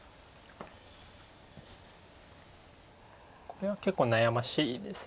これは結構悩ましいです。